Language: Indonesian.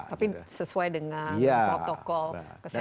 tapi sesuai dengan protokol kesehatan